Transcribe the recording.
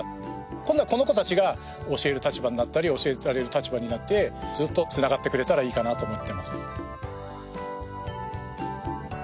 今度はこの子たちが教える立場になったり教えられる立場になってずっと繋がってくれたらいいかなと思っています。